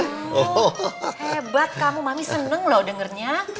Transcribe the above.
hebat kamu mami seneng loh dengernya